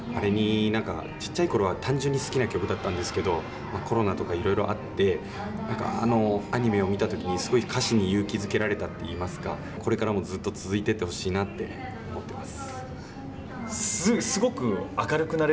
小さいころは単純に好きな曲だったんですけどコロナとかいろいろあってあのアニメを見た時にすごい歌詞に勇気づけられたといいますかこれからもずっと続いていってほしいなって思ってます。